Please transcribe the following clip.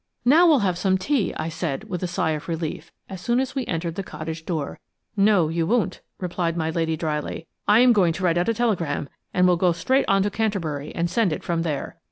"Now we'll have some tea," I said, with a sigh of relief, as soon as we entered the cottage door. "No, you won't," replied my lady, dryly. "I am going to write out a telegram, and we'll go straight on to Canterbury and send it from there."